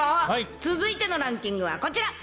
続いてのランキングはこちら。